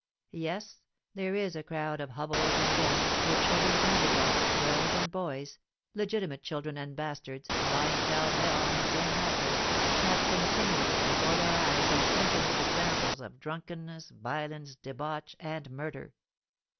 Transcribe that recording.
Yes; there is a crowd of hovels and dens, where children and adults, girls and boys, legitimate children and bastards, lying pell mell on the same mattress, have continually before their eyes these infamous examples of drunkenness, violence, debauch, and murder.